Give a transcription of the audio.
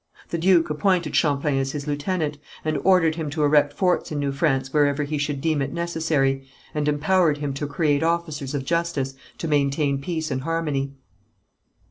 The duke appointed Champlain as his lieutenant, and ordered him to erect forts in New France wherever he should deem it necessary, and empowered him to create officers of justice to maintain peace and harmony.